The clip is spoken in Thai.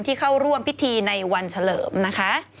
เข้าร่วมพิธีในวันเฉลิมนะคะ